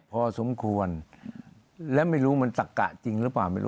พอสมควรและไม่รู้มันตะกะจริงหรือเปล่าไม่รู้